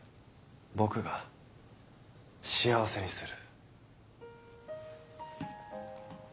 僕が幸せにする。